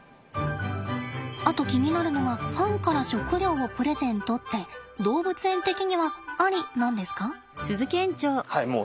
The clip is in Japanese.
あと気になるのがファンから食料をプレゼントって動物園的にはアリなんですか？